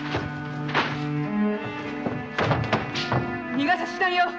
逃がさないよ！